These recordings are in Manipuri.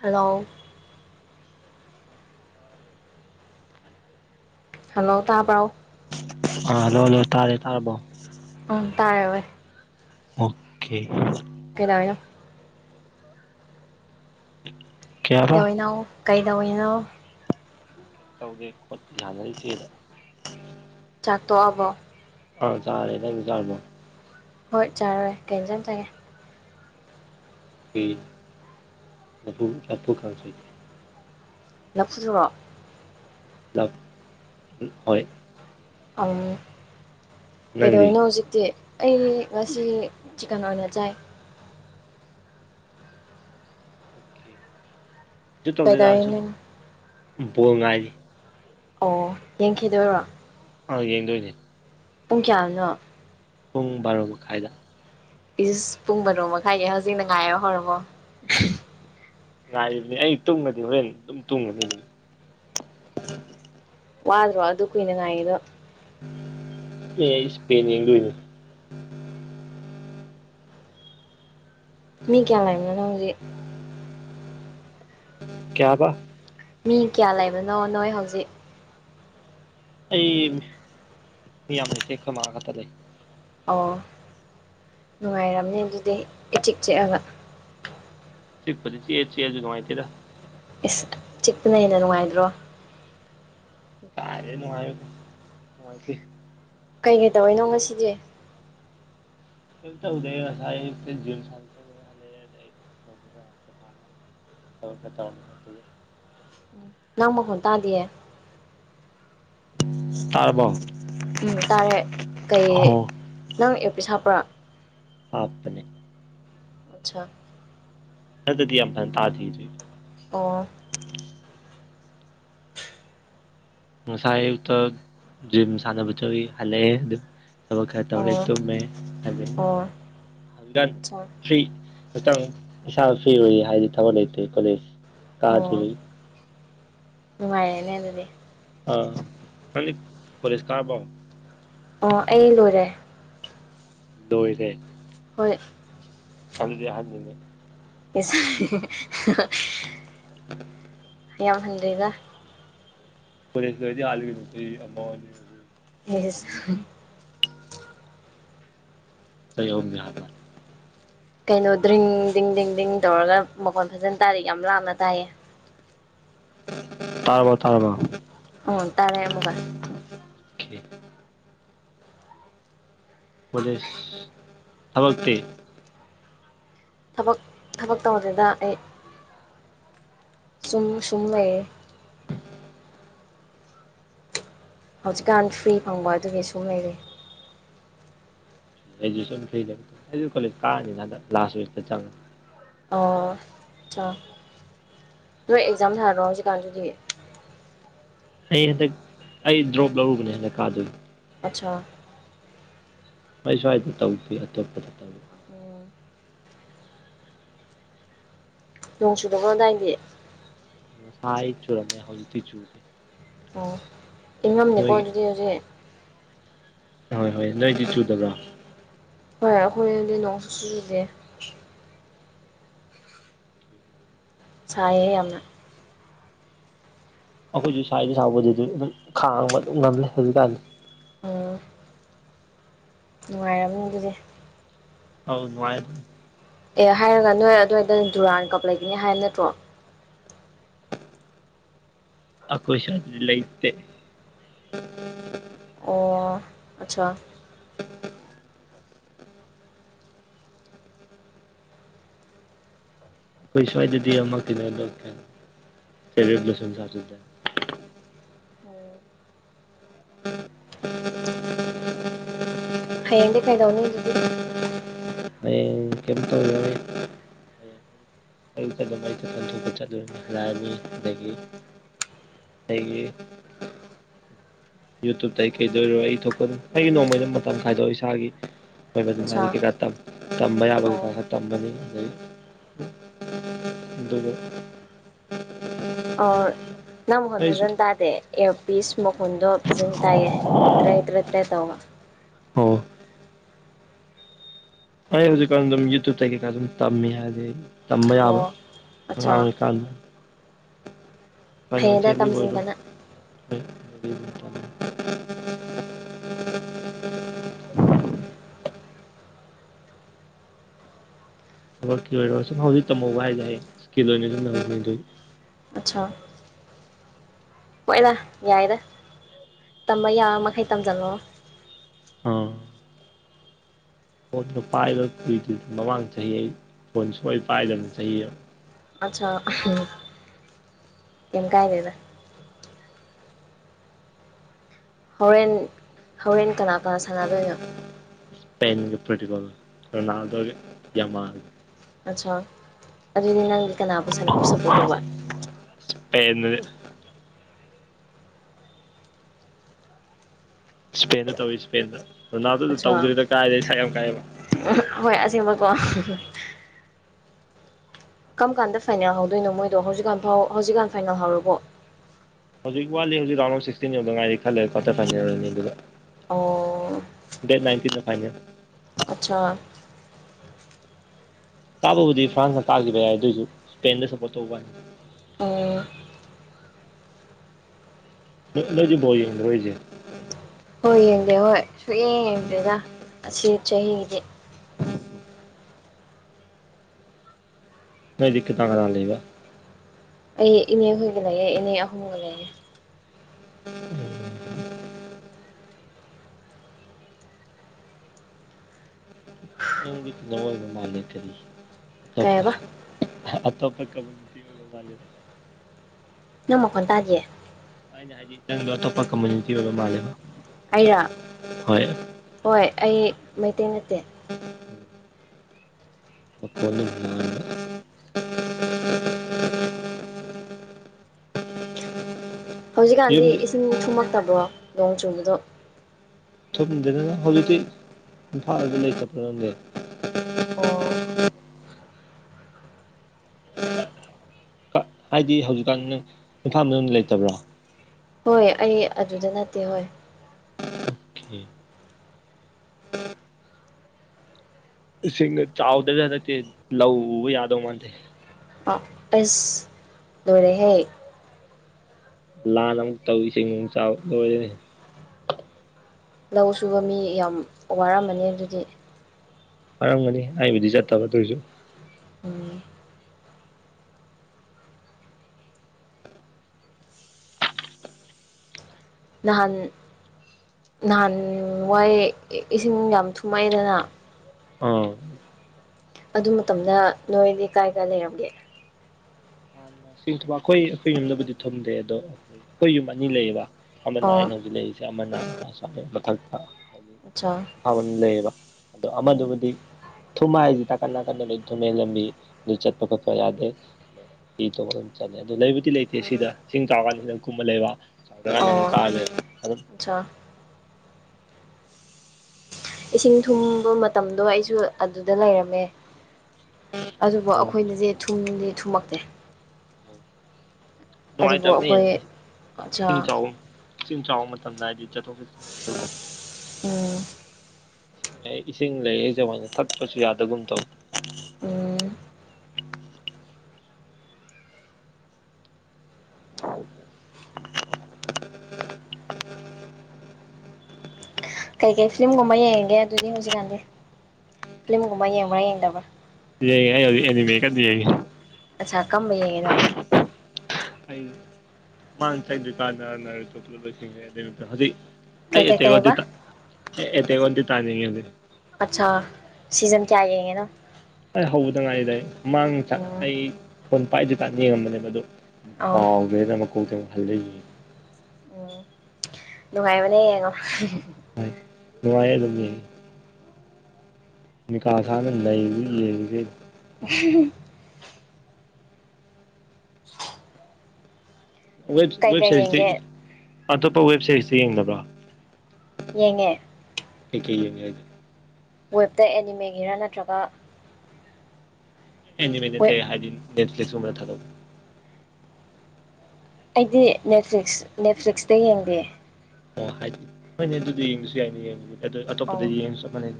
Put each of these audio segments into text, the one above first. ꯍꯜꯂꯥꯎ ꯑ ꯍꯔ ꯍꯜꯛ ꯑꯥ ꯂꯣ ꯂꯣ ꯇꯥꯔꯦ ꯇꯥꯔꯕꯣ ꯎꯝ ꯇꯥꯔꯦꯑꯣ ꯑꯣꯀꯦ ꯀꯦꯗꯅꯣ ꯀꯌꯥꯕ ꯀꯗꯩꯅꯣ ꯀꯩꯗꯅꯣ ꯀꯩꯝ ꯇꯧꯗꯦ ꯈꯣꯠꯄ ꯌꯥꯅꯔꯤꯁꯤꯗ ꯆꯥꯇꯣ ꯑꯕꯣ ꯑ ꯆꯥꯔꯦꯗ ꯆꯔꯃꯣ ꯍꯣꯏ ꯆꯥꯔꯦ ꯀꯩ ꯏꯟꯖꯥꯡ ꯆꯥꯒꯦ ꯑꯩ ꯂꯐꯨ ꯂꯐꯨ ꯀꯥꯡꯁꯣꯏ ꯆꯥꯏ ꯂꯥꯐꯨꯗꯔꯣ [unintelligible] ꯑꯪ ꯅꯪꯗꯤ ꯀꯩꯗꯧꯋꯤꯅꯣ ꯍꯧꯖꯤꯛꯇꯤ ꯑꯩ ꯉꯁꯤ ꯆꯤꯛꯀꯟ ꯑꯣꯏꯅ ꯆꯥꯏ ꯑꯣꯀꯦ ꯀꯩꯁꯨ ꯇꯧꯗꯦꯗ ꯁꯨꯝ ꯀꯩꯗꯧꯔꯤꯅꯣ ꯕꯣꯜ ꯉꯥꯏꯔꯤ ꯑꯣ ꯌꯦꯡꯈꯤꯗꯣꯏꯔꯣ ꯑ ꯌꯦꯡꯗꯣꯏꯅꯤ ꯄꯨꯡ ꯀꯌꯥꯅꯣ ꯄꯨꯡ ꯕꯥꯔꯣ ꯃꯈꯥꯏꯗ ꯏꯁ ꯄꯨꯡ ꯕꯥꯔꯣ ꯃꯈꯥꯏꯒꯤ ꯍꯧꯖꯤꯛꯅ ꯉꯥꯏꯔꯣ ꯍꯧꯔꯕꯣ ꯉꯥꯏꯔꯤꯕꯅꯤ ꯑꯩ ꯇꯨꯝꯒꯔꯗꯤ ꯍꯣꯔꯦꯟ ꯑꯗꯨꯝ ꯇꯨꯝꯒꯔꯅꯤ ꯋꯥꯗꯔꯣ ꯑꯗꯨꯛ ꯀꯨꯏꯅ ꯉꯥꯏꯔꯤꯗꯣ ꯑꯦ ꯁꯄꯦꯟ ꯌꯦꯡꯗꯣꯏꯅꯤ ꯃꯤ ꯀꯌꯥ ꯂꯩꯕꯅꯣ ꯅꯪ ꯍꯧꯖꯤꯛ ꯀꯌꯥꯕ ꯃꯤ ꯀꯌꯥ ꯂꯩꯕꯅꯣ ꯅꯣꯏ ꯍꯧꯖꯤꯛ ꯑꯩ ꯃꯤꯌꯥꯝ ꯂꯩꯇꯦ ꯑꯈꯣꯏꯃꯥꯒ ꯈꯛꯇ ꯂꯩ ꯑꯣ ꯅꯨꯡꯉꯥꯏꯔꯝꯅꯦ ꯑꯗꯨꯗꯤ ꯏꯆꯤꯛ ꯆꯤꯛꯑꯒ ꯆꯤꯛꯄꯨꯗꯤ ꯆꯤꯛꯑꯦ ꯆꯤꯛꯑꯖꯨ ꯅꯨꯡꯉꯥꯏꯇꯦꯗ ꯏꯁ ꯆꯤꯛꯄꯅ ꯍꯦꯟꯅ ꯅꯨꯡꯉꯥꯏꯗ꯭ꯔꯣ ꯀꯥꯏꯗꯩ ꯅꯨꯡꯉꯥꯏꯕꯅꯣ ꯅꯨꯡꯉꯥꯏꯇꯦ ꯀꯩ ꯇꯧꯏꯅꯣ ꯉꯁꯤꯗꯤ [unintelligible] [unintelligible] ꯅꯪ ꯃꯈꯣꯟ ꯇꯥꯗꯤꯌꯦ ꯇꯔꯕꯣ ꯎꯝ ꯇꯥꯔꯦ ꯀꯩ ꯅꯪ ꯑꯦꯞꯄꯤꯁ ꯍꯥꯞꯄ꯭ꯔꯥ ꯍꯥꯞꯄꯅꯦ ꯑꯠꯁꯥ [unintelligible] ꯑꯣ ꯉꯁꯥꯏ ꯑꯌꯨꯛꯇ ꯖꯤꯝ ꯁꯥꯟꯅꯕ ꯆꯠꯂꯨꯏ ꯍꯂꯛꯑꯦ ꯑꯗꯨ ꯊꯕꯛ ꯈꯔ ꯇꯧꯔꯦ ꯑꯣ ꯇꯨꯝꯃꯦ ꯑꯗꯒꯤ ꯑꯣ ꯍꯪꯒꯥꯥꯡ ꯑꯠꯁꯥ ꯐ꯭ꯔꯤ ꯇꯧ ꯏꯁꯥꯖꯨ ꯐꯔꯤ ꯑꯣꯏꯌꯦ ꯍꯥꯏꯗꯤ ꯊꯕꯛ ꯂꯩꯇꯦ ꯀꯣꯂꯦꯖ ꯀꯥꯗꯔꯤꯕꯩ ꯅꯨꯡꯉꯥꯏꯌꯦꯅꯦ ꯑꯗꯨꯗꯤ [unintelligible] ꯑꯣ ꯑꯩ ꯂꯣꯏꯔꯦ ꯂꯣꯏꯔꯦ ꯍꯣꯏ ꯑꯗꯨꯗꯤ ꯑꯍꯟꯅꯤꯅꯦ [unintelligible] [unintelligible] ꯌꯥꯝ ꯍꯟꯗꯦꯗ [unintelligible] ꯃꯔꯤ [unintelligible] [unintelligible] ꯀꯩꯅꯣ ꯀꯔꯤ ꯗ꯭ꯔꯤꯡ ꯗꯤꯡ ꯗꯤꯡ ꯗꯤꯡ ꯇꯧꯔꯒ ꯃꯈꯣꯟ ꯐꯖꯅ ꯇꯥꯔꯦ ꯌꯥꯝ ꯂꯥꯞꯅ ꯇꯥꯏꯌꯦ ꯇꯥꯔꯕꯣ ꯇꯥꯔꯕꯣ ꯑꯣ ꯇꯥꯔꯦ ꯑꯃꯨꯛꯀ [inaudible] ꯄꯂꯦꯁ ꯊꯕꯛꯇꯛꯇ ꯊꯕꯛ ꯊꯕꯛ ꯇꯧꯕꯗꯨꯗ ꯑꯩ ꯁꯨꯝ ꯁꯨꯝꯂꯦ ꯍꯧꯖꯤꯛꯀꯥꯟ ꯐ꯭ꯔꯤ ꯐꯪꯕ ꯑꯗꯨꯒꯤ ꯁꯨꯝ ꯂꯩꯔꯦ ꯁ ꯐꯔꯤ ꯂꯩ꯭ꯔ ꯀꯣꯂꯦꯖ ꯀꯛꯑꯅꯤꯅꯗ ꯂꯥꯁ ꯋꯤꯛꯇ ꯆꯪꯉꯅꯤ ꯑꯣ ꯆ ꯅꯣꯏ ꯑꯦꯛꯖꯥꯝ ꯊꯥꯔꯔꯣ ꯍꯧꯖꯤꯛꯀꯥꯟꯗꯨꯗꯤ ꯑꯩ ꯍꯟꯗꯛ ꯑꯩ ꯗ꯭ꯔꯣꯞ ꯂꯧꯔꯨꯕꯅꯦ ꯍꯟꯗꯛ ꯀꯥꯗꯕ ꯑꯆꯥꯥ ꯑꯩ ꯁ꯭ꯋꯥꯏꯗ ꯇꯧꯗꯦ ꯑꯇꯣꯞꯄꯗ ꯇꯧꯗ ꯑꯣꯝ ꯅꯣꯡ ꯆꯨꯗ ꯑꯗꯨꯗꯥꯏꯗꯤ ꯁꯥꯏ ꯆꯨꯔꯝꯃꯦ ꯍꯧꯖꯤꯛꯇꯤ ꯆꯨꯗꯦ ꯑꯣ ꯏꯉꯝꯅꯤꯀꯣ ꯅꯣꯏꯒꯤ ꯑꯗꯨꯗꯤ ꯍꯧꯖꯤꯛ ꯍꯣꯏ ꯍꯣꯏ ꯅꯣꯏꯗꯤ ꯆꯨꯗꯕ꯭ꯔꯣ ꯍꯣꯏ ꯑꯩꯈꯣꯏꯗꯤ ꯅꯣꯡꯁꯨ ꯆꯨꯗꯦ ꯆꯌꯦ ꯌꯥꯝꯅ ꯑꯩꯈꯣꯏꯁꯨ ꯁꯋꯥꯏꯗ ꯁꯥꯎꯕꯗꯤ ꯑꯗꯨꯝ ꯑꯗꯨꯝ ꯈꯥꯡꯕ ꯑꯗꯨꯝ ꯉꯝꯂꯦ ꯍꯧꯖꯤꯛꯀꯥꯟꯗꯤ ꯑꯣ ꯅꯨꯡꯉꯥꯏꯔꯕꯅꯤ ꯑꯗꯨꯗꯤ ꯍꯥꯎ ꯃꯥ ꯑꯦ ꯍꯥꯏꯔꯒ ꯅꯣꯏ ꯑꯗꯨꯋꯥꯏꯗꯅ ꯗꯨꯨꯔꯥꯟ ꯀꯞꯂꯒꯅꯤ ꯍꯥꯏꯕ ꯅꯠꯇ꯭ꯔꯣ ꯑꯈꯣꯁ ꯂꯩ ꯏꯇꯦ ꯑꯣ ꯑꯆꯥ ꯑꯩꯈꯣꯏ ꯁ꯭ꯋꯥꯏꯗꯗꯤ ꯑꯃꯛꯇꯤꯅꯦ ꯀꯅ ꯁꯦꯂꯕ꯭ꯔꯦꯁꯟ ꯁꯥꯗ ꯎꯝ ꯎ ꯍꯌꯦꯡꯗꯤ ꯀꯩꯗꯧꯅꯤ ꯑꯗꯨꯗꯤ ꯍꯌꯦꯡ ꯀꯩꯝ ꯇꯧ ꯌꯥꯔꯦ ꯍꯂꯔꯅꯤ ꯑꯗꯒꯤ ꯍꯒꯤ ꯌꯨꯇꯨꯨꯞꯕꯇ ꯑꯩ ꯀꯩꯗꯧꯔꯣ ꯑꯩ ꯊꯣꯛꯄ ꯑꯩꯒꯤ ꯅꯣꯡꯃꯩꯩꯅ ꯃꯇꯝ ꯈꯥꯏꯗꯣꯛ ꯏꯁꯥꯒꯤ ꯑꯩꯣꯏꯕꯗꯤ ꯑꯠꯆꯥ ꯉꯗꯤ ꯀꯩꯀꯥ ꯇꯝꯕ ꯌꯥꯕ ꯀꯩꯀꯥ ꯑꯣ ꯈꯔ ꯇꯝꯕꯅꯤ ꯑꯗꯨꯩ ꯗꯕꯛ ꯑꯣ ꯅꯪ ꯃꯣꯣꯟ ꯐꯖꯅ ꯇꯥꯗꯦ ꯑꯦꯔ ꯄ ꯏꯁ ꯐꯣꯟꯗꯣ ꯐꯖꯅ ꯇꯥꯏꯌꯦꯦ ꯇꯔꯦꯠ ꯇꯔꯦꯠ ꯇꯔꯦꯠ ꯇꯧꯕ ꯑꯣ ꯍ ꯍꯧꯖꯤꯛ ꯀꯥꯟ ꯑꯗꯨꯝ ꯌꯇꯕꯇ ꯀ ꯑꯗꯨꯝ ꯇꯝꯃꯦ ꯍꯥꯏꯖꯤꯩ ꯇꯝꯕ ꯌꯥꯕ ꯑꯣ ꯑꯔꯥꯡ ꯑꯠꯆꯥ ꯑꯣꯏꯀꯥꯟꯗ ꯐꯩꯌꯦꯗ ꯐꯅꯥꯟꯁꯤꯜꯂꯤꯔ ꯇꯝꯁꯤꯟꯕꯅ ꯊ ꯍꯧꯖꯤꯛ ꯇꯝꯍꯧꯕ ꯍꯥꯏꯇꯥꯦ ꯀꯤ ꯑꯆꯥꯥ ꯍꯣꯏꯔ ꯌꯥꯏꯗ ꯇꯝꯕ ꯌꯥ ꯃꯈꯩ ꯇꯝꯁꯤꯜꯂꯣ ꯐꯣꯟꯗꯣ ꯄꯥꯏꯕ ꯀꯨꯏꯗꯨꯗꯤ ꯃꯃꯥꯡ ꯆꯍꯤ ꯑꯩ ꯐꯣꯟ ꯁꯨꯡꯥꯏꯅ ꯄꯥꯏꯗꯅ ꯆꯍꯤ ꯑꯠꯆꯥꯥ ꯀꯝ ꯀꯥꯏ ꯂꯩꯦꯗ ꯍꯣꯔꯦꯟ ꯍꯣꯔꯦꯟ ꯀꯅꯥ ꯀꯅꯥ ꯁꯥꯟꯅꯗꯣꯏꯅꯣ ꯏꯁꯄꯦꯟ ꯄ꯭ꯔꯣꯇꯀꯣꯜ ꯔꯣꯅꯥꯜꯗꯣ ꯖꯃꯥꯟ ꯑꯆꯥ ꯑꯗꯨ ꯂꯀ ꯁꯄ ꯁꯄꯣꯔꯠꯧꯕ ꯗꯤ ꯏꯁꯄꯦꯟꯗ ꯇꯧꯏꯤ ꯏꯁꯄꯦꯟꯗꯣꯅꯥꯜꯗꯨꯗ ꯑꯠꯁꯥ ꯇꯧꯗ꯭ꯔꯤꯗ ꯀꯥꯏꯗ ꯁ ꯌꯥꯝ ꯀꯥꯏꯑꯦꯕ ꯑꯣ ꯀꯔꯝ ꯀꯥꯟꯗ ꯐꯥꯏꯅꯦꯜ ꯍꯧꯗꯣꯏꯅꯣ ꯃꯣꯏꯗꯣ ꯍꯧꯖꯤꯛꯀꯥꯟ ꯐꯥꯎ ꯍꯧꯖꯤꯛꯀꯥꯟ ꯐꯥꯏꯅꯦꯜ ꯍꯧꯔꯕꯣ ꯍꯧꯖꯤꯛ ꯋꯥꯠꯂꯤ ꯍꯧꯖꯤꯛ ꯔꯥꯎ ꯑꯣꯐ ꯁꯤꯛꯁꯇꯤꯟ ꯌꯥꯎꯗ ꯉꯥꯏꯔꯤ ꯈꯜꯂꯦ ꯈꯠꯇ ꯐꯅꯤꯔꯅꯤ ꯑꯗꯨꯗ ꯑꯣ ꯗꯦꯠ ꯅꯥꯏꯟꯇꯤꯟꯗ ꯐꯥꯡꯒꯦ ꯑꯆꯥ ꯇꯥꯕꯕꯨꯗꯤ ꯐ꯭ꯔꯥꯟꯁꯅ ꯇꯥꯈꯤꯕ ꯌꯥꯏ ꯑꯗꯨꯑꯣꯏꯁꯨ ꯏꯁꯄꯦꯟꯗ ꯁꯞꯄꯣꯔꯠ ꯇꯧꯕ ꯍꯥꯏꯅꯤ ꯑꯣ ꯃꯣꯣꯏ ꯍꯣꯏ ꯌꯦꯡꯗꯦ ꯍꯣꯏ ꯁꯨꯛꯌꯦꯡ ꯌꯦꯡꯗ꯭ꯔꯦꯗ ꯑꯁꯤ ꯆꯍꯤꯒꯤꯗꯤ ꯅꯣꯏꯗꯤꯀ ꯇꯥꯡ ꯀꯥꯡ ꯂꯩꯕ ꯑꯦ ꯏꯅꯦ ꯍꯒꯦ ꯏꯅꯦ ꯑꯍꯨꯝꯒ ꯂꯩꯦ ꯅꯋꯥꯃꯦ ꯀꯔꯤ ꯀꯩ ꯇꯄ ꯍꯥꯏꯕ ꯑꯇꯣꯞꯄ ꯀꯃꯨꯅꯤꯇꯤ ꯑꯣꯏꯕ ꯃꯥ ꯅꯪꯃ ꯃꯈꯣꯟ ꯇꯒꯤꯦ ꯍꯥꯏ ꯆꯪ ꯊꯞꯄꯛ ꯀ ꯃ ꯑꯣꯏ ꯃꯥꯦ ꯍꯥꯏꯔ ꯍꯣꯏ ꯑꯩ ꯃꯩꯇꯩ ꯅꯠꯇꯦ ꯃꯣꯅ ꯍꯧꯖꯤꯛꯀꯥꯟꯗꯤ ꯌꯨꯝꯗꯤ ꯏꯁꯤꯡ ꯊꯨꯝꯃꯛꯇꯕ꯭ꯔꯣ ꯅꯣꯡ ꯆꯨꯕꯗꯣ ꯊꯄꯗꯅꯦ ꯍꯂꯤꯗꯤ ꯐꯥ ꯂꯩ ꯀꯄꯔ ꯍ ꯎꯝ ꯑꯣ ꯍꯥꯏꯗꯤ ꯍꯧꯖꯤꯛꯀꯥꯟ ꯅꯪ ꯏꯝꯐꯥꯜꯗꯝ ꯂꯩꯇꯕ꯭ꯔꯥ ꯍꯣꯏ ꯑꯩ ꯑꯗꯨꯗ ꯅꯠꯇꯦ ꯍꯣꯏ ꯁꯤꯁꯤꯡꯅ ꯆꯥꯎꯗꯗ ꯂꯧ ꯌꯥꯗꯧ ꯃꯥꯗꯦ ꯑꯁ ꯗꯔꯦ ꯍꯥꯏꯦ ꯂꯥꯟꯅ ꯑꯃꯨꯛ ꯇꯧꯔꯤꯁꯤ ꯑꯃꯛ ꯆꯥꯎ ꯂꯣꯏꯔꯅꯦ ꯂꯧ ꯁꯨꯕ ꯃꯤ ꯌꯥꯝ ꯋꯥꯔꯝꯝꯕꯅꯤ ꯑꯗꯨꯗꯤ ꯋꯥꯔꯝꯒꯅꯤ ꯍꯥꯏꯕꯨꯗꯤ ꯆꯠꯇꯕ ꯑꯗꯨꯣꯏꯁꯨ ꯎꯝ ꯅꯍꯥꯟ ꯅꯍꯥꯟ ꯋꯥꯏ ꯏꯁꯤꯡ ꯌꯥꯝ ꯊꯨꯝꯃꯛꯑꯗꯅ ꯑꯥ ꯑꯗꯨ ꯃꯇꯝꯅ ꯅꯣꯏꯗꯤ ꯀꯥꯏ ꯀꯥꯏ ꯂꯩꯔꯝꯒꯦ ꯑꯩꯈꯣꯏ ꯑꯩꯈꯣꯏ ꯌꯨꯝꯗꯕꯨꯗꯤ ꯊꯨꯝꯗꯦ ꯑꯗꯣ ꯑꯩꯈꯣꯏ ꯑꯩꯈꯣꯏ ꯌꯨꯝ ꯑꯅꯤ ꯂꯩꯌꯦꯕ ꯑꯃꯅ ꯑꯣ ꯑꯩꯅ ꯍꯧꯖꯤꯛ ꯂꯩꯔꯤꯁꯦ ꯑꯃꯅ ꯃꯊꯛꯇ ꯍꯥꯏꯗꯤ ꯑꯠꯆꯥ ꯏꯝꯐꯥꯜ ꯂꯩꯌꯦꯕ ꯑꯗꯣ ꯎꯝ ꯑꯃꯗꯨꯕꯨꯗꯤ ꯊꯨꯃ ꯍꯥꯏꯁꯤ ꯇ ꯀꯅꯥ ꯀꯅ ꯂꯩ ꯊꯨꯝꯃꯦ ꯂꯝꯕꯤ ꯅꯅꯤꯆꯠ ꯄꯠꯄ ꯌꯥꯗꯦ ꯐ ꯇꯣꯡꯑꯒ ꯑꯗꯨꯝ ꯆꯠꯂꯦ ꯑꯗꯨ ꯂꯩꯕꯨꯗꯤ ꯂꯩꯇꯦ ꯁꯤꯗ ꯏꯁꯤꯡ ꯆꯥꯀꯥꯟꯁꯤꯗ ꯀꯨꯝꯕ ꯂꯩꯕ ꯁꯅꯨ ꯑꯣ ꯀꯥꯂ ꯑꯠꯆꯥ ꯏꯁꯤꯡ ꯊꯨꯝꯕ ꯃꯇꯝꯗꯣ ꯑꯩꯁꯨ ꯑꯗꯨꯗ ꯂꯩꯔꯝꯃꯦ ꯑꯗꯨꯕꯨ ꯑꯣ ꯑꯩꯈꯣꯏꯅꯁꯦ ꯊꯨꯝꯗꯤꯦ ꯊꯨꯝꯃꯛꯇꯦ ꯑꯗꯨꯕꯨ ꯅꯨꯡꯉꯥꯏꯇꯕꯅꯦ ꯑꯩꯈꯣꯏ ꯑꯠꯆꯥ ꯏꯁꯤꯡ ꯆꯥꯎ ꯏꯁꯤꯡ ꯆꯥꯎ ꯝꯅꯗꯤ ꯆ ꯆꯣꯤꯁ ꯎꯝ ꯏꯁꯤꯡ ꯂꯩ ꯏꯁꯤꯡ ꯂꯩꯌꯦꯁꯦ ꯋꯥꯉ ꯀꯠꯄꯁꯨ ꯌꯥꯗꯒꯨꯝ ꯇꯧ ꯎ ꯀꯩꯀꯩ ꯐꯤꯂꯝꯒꯨꯝꯕ ꯌꯦꯡꯒꯦ ꯑꯗꯨꯗꯤ ꯍꯧꯖꯤꯛꯀꯥꯟꯗꯤ ꯐꯤꯂꯝꯒꯨꯝꯕ ꯌꯦꯡꯕ꯭ꯔꯥ ꯌꯦꯡꯗꯕ꯭ꯔꯥ ꯑꯦꯅꯤ ꯃꯤ ꯀꯗꯤ ꯍꯥꯏ ꯑ ꯆ ꯀꯝꯝꯕꯩꯉꯗꯣ ꯃꯥ ꯇꯥꯏ ꯀꯥꯅꯣ ꯍꯧꯖꯤ ꯀꯩ ꯀꯩ ꯑꯩꯇꯩ ꯋꯥꯗ ꯀꯩꯕ ꯇ ꯋꯥꯗ ꯇꯥꯅꯤꯉꯗꯤ ꯑꯆꯥꯥ ꯁꯤꯖꯟ ꯀꯌꯥ ꯍꯥꯏꯦ ꯅ ꯑꯩ ꯍꯧꯕꯗ ꯉꯥꯏꯗꯏ ꯃꯥꯡ ꯎꯝ ꯑꯩ ꯐꯣꯟ ꯄꯥꯏꯗꯨꯀ ꯌꯦꯡꯉꯝꯕꯅꯦꯕ ꯑꯗꯨꯗꯣ ꯑꯧ ꯀꯥꯎꯕꯦꯅ ꯃꯀꯣꯛ ꯀ ꯑꯃꯨꯛ ꯈꯜꯂ ꯌꯦ ꯎꯝ ꯅꯨꯡꯉꯥꯏꯕꯅꯦ ꯌꯦꯡꯉꯣ ꯅꯣꯏ ꯅꯨꯡꯉꯥꯏ ꯑꯗꯨ ꯅꯤꯀꯥꯁ ꯁꯥꯅ ꯂꯩ ꯌꯦꯡꯕꯁꯦ ꯑꯍꯍꯍ ꯋꯦꯕ ꯀꯩꯀꯩ ꯁꯔꯤꯁꯇ ꯌꯦꯡꯒꯦ ꯑꯇꯣꯞꯄ ꯋꯦꯕ ꯁꯦꯔꯤꯁꯇ ꯌꯦꯡꯗꯕ꯭ꯔꯥ ꯌꯦꯡꯉꯦ ꯑꯩꯀꯩ ꯌꯦꯅꯦꯗꯤ ꯋꯦꯞꯇ ꯑꯦꯅꯤꯃꯦꯒꯤꯔ ꯅꯠꯇ꯭ꯔꯒ ꯅꯤ ꯃꯅꯦ ꯋꯦꯕ ꯍꯥꯏ ꯅꯦꯂꯤꯁꯔ ꯊꯗ ꯑꯩꯗꯤ ꯅꯦꯠꯐ꯭ꯂꯤꯛꯁ ꯅꯦꯠꯐ꯭ꯂꯤꯛꯁꯇ ꯌꯦꯡꯗꯦ ꯑꯣ ꯍꯥꯏꯗꯤ ꯐꯣꯏꯅꯤ ꯑꯗꯨꯗꯤ ꯌꯦꯡꯉꯁꯨ ꯌꯥꯏꯅꯤ ꯌꯦꯡꯉ ꯑꯗꯨ ꯑꯇꯣꯞꯄꯗ ꯑꯧ ꯌꯦꯡꯉ ꯆꯅꯤ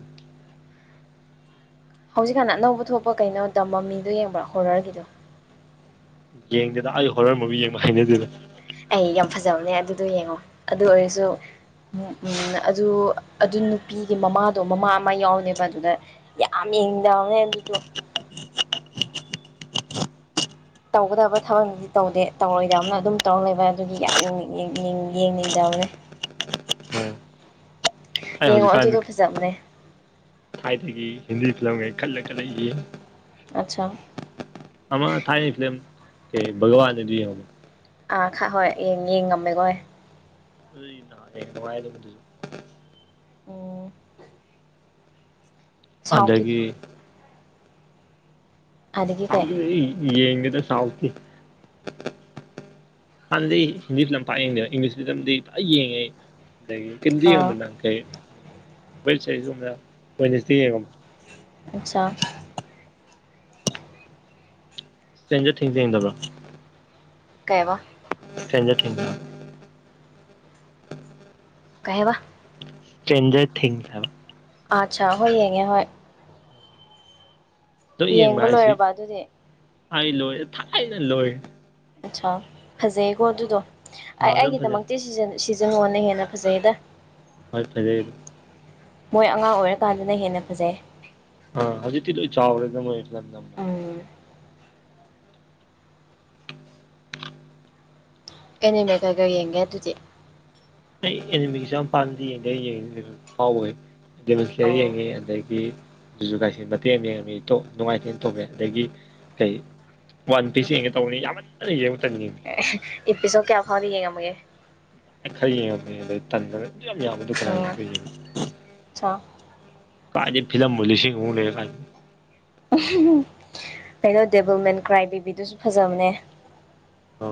ꯍꯧꯖꯤꯛꯀꯥꯟꯅ ꯑꯅꯧꯕ ꯊꯣꯛꯄ ꯀꯩꯅꯣ ꯇꯝꯃ ꯃꯤꯗꯨ ꯌꯦꯡꯕ꯭ꯔꯥ ꯍꯣꯔꯔꯒꯤꯗꯨ ꯌꯦꯡꯗꯦꯗ ꯑꯩ ꯍꯣꯠꯃꯕꯨ ꯌꯦꯡꯕ ꯍꯥꯏꯅꯗꯦꯗ ꯑꯗꯨ ꯌꯦꯡꯉꯣ ꯑꯗꯨ ꯑꯣꯏꯔꯁꯨ ꯎꯝ ꯎꯝ ꯑꯗꯨ ꯑꯗꯨ ꯅꯨꯄꯤꯒꯤ ꯃꯃꯥꯗꯣ ꯃꯃꯥ ꯑꯃ ꯌꯥꯎꯅꯦꯕ ꯑꯗꯨꯗ ꯌꯥꯝ ꯏꯅꯦ ꯌꯦꯟꯇꯣ [inaudible] ꯇꯧꯒꯗꯕ ꯊꯕꯛꯗꯤ ꯇꯧꯗꯦ ꯇꯧꯔꯣꯏꯗꯕꯅ ꯑꯗꯨꯝ ꯇꯧꯔ ꯂꯩꯕ ꯑꯗꯨꯒꯤ ꯌꯦꯡꯅꯤꯡꯗꯕ ꯐꯅꯦ ꯑꯣ ꯌꯦꯡꯉꯣ ꯑꯗꯨꯗꯣ ꯐꯖꯕꯅꯦ ꯊꯥꯏꯗꯒꯤ ꯍꯤꯟꯗꯤ ꯐꯤꯂꯝꯈꯩ ꯈꯜꯂꯒ ꯂꯩꯈꯤ ꯑꯆꯥ ꯑꯃ ꯊꯥꯏ ꯐ ꯀ ꯒꯋꯥꯗ ꯑꯃ ꯑꯥ ꯍꯣꯏ ꯌꯦ ꯌꯦꯡꯉꯝꯃꯦꯀꯣ ꯅꯨꯡ ꯑꯣ ꯑꯗꯒꯤ ꯑꯗꯒꯤ ꯁꯥꯎ ꯀꯩ ꯌꯦꯗ ꯁꯥꯎꯊ ꯍꯥꯟꯅꯩ ꯍꯤꯟꯗꯤ ꯐꯤꯂꯝ ꯄꯥꯛ ꯌꯦꯡꯗꯦ ꯏꯪꯂꯤꯁ ꯐꯤꯂꯝꯗꯤ ꯄꯨ ꯌꯦꯡꯉꯦ ꯑꯗꯒꯤꯗꯤ ꯌꯦꯡꯉ ꯑꯥ ꯅ ꯀꯩ ꯌꯦꯡꯉ ꯑꯆꯥ ꯁꯖꯣ ꯊꯖꯗꯕ ꯀꯩꯕ ꯊꯦꯡꯣ ꯊꯦꯡꯨ ꯀꯍꯕ ꯆꯦꯟꯖꯔ ꯊ ꯑꯆꯥ ꯍꯣꯏ ꯌꯦꯡꯉꯦ ꯍꯣꯏ ꯌꯦꯡꯕ ꯂꯣꯏꯔꯕ ꯑꯗꯨꯗꯤ ꯍꯥꯏꯥꯏ ꯂꯣꯍꯦ ꯊꯥꯏꯅꯦ ꯂꯣꯍꯦ ꯑꯠꯆꯥ ꯐꯖꯩꯀꯣ ꯑꯗꯨꯗꯣ ꯑꯩ ꯑꯥ ꯑꯗꯨꯝ ꯐꯖꯩ ꯑꯩꯒꯤꯗꯃꯛꯇꯤ ꯖ ꯍꯣꯟꯅ ꯍꯦꯟꯅ ꯐꯖꯩꯗ ꯍꯣꯏ ꯐꯖꯩꯗ ꯃꯣꯏ ꯑꯉꯥꯡ ꯑꯣꯏꯔꯀꯥꯟꯗꯅ ꯍꯦꯟꯅ ꯐꯖꯩ ꯑ ꯍꯧꯖꯤ ꯊꯤ ꯆ ꯆꯥꯎꯔꯦꯗ ꯏ ꯂ ꯅꯔ ꯎꯝ ꯑꯦꯅꯦꯕꯒꯒ ꯌꯦꯡꯒꯦ ꯑꯗꯨꯗꯤ ꯑꯩ ꯑꯦꯅꯤꯃꯤꯛꯁꯦ ꯌꯥꯝ ꯄꯥꯝꯗ ꯌꯦꯡꯒ ꯌꯦꯡꯉ ꯐꯥꯎꯋꯦ ꯁꯔꯤ ꯑꯧ ꯌꯦꯉꯤ ꯑꯀꯤ ꯨꯖꯨ ꯀꯥꯏꯁꯤ ꯃꯇꯦꯛ ꯑꯃ ꯌꯦꯡꯉꯃꯤ ꯅꯨꯡꯉꯥꯏꯇꯦꯅ ꯇꯧꯋꯦ ꯑꯗꯒꯤ ꯀꯩ ꯋꯥꯟ ꯄꯤꯤꯁ ꯌꯦꯡꯉ ꯇꯧꯅꯤ ꯌꯥꯝ ꯌꯦꯡ ꯆ ꯏ ꯄꯁꯨꯣ ꯀꯌꯥ ꯐꯥꯕꯤ ꯌꯦꯒ ꯃꯒꯦ ꯈꯩꯌꯦꯡ ꯇꯗ ꯌꯥꯝ ꯌꯥꯕ ꯗꯨꯀ ꯎꯝ ꯁꯣ ꯀꯖꯤꯦ ꯐꯤꯂꯝ ꯃꯂꯤꯁꯤ ꯍꯅꯦ ꯀ ꯀꯩꯅꯣ ꯗꯦꯕꯜꯃꯦꯟ ꯀ꯭ꯔꯥꯏ ꯕꯦꯕꯤꯗꯨꯁꯨ ꯐꯖꯕꯅꯦ ꯑ